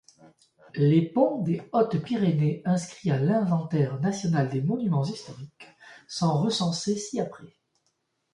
Les ponts des Hautes-Pyrénées inscrits à l’inventaire national des monuments historiques sont recensés ci-après.